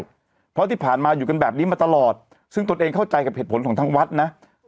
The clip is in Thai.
เพราะที่ผ่านมาอยู่กันแบบนี้มาตลอดซึ่งตนเองเข้าใจกับเหตุผลของทางวัดนะ